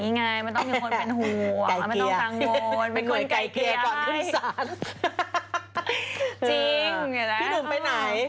พี่หนุ่มไปไหนฟ้านพี่ประดำ